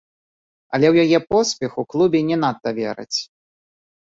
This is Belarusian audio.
Але ў яе поспех у клубе не надта вераць.